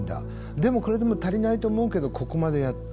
でもこれでも足りないと思うけどここまでやった。